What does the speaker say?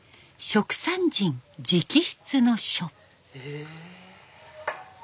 蜀山人直筆の書。